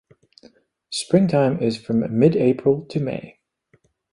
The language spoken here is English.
Springtime is from mid April to May.